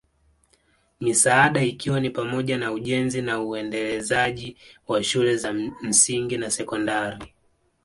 Misaada ikiwa ni pamoja na ujenzi na uendelezaji wa shule za msingi na sekondari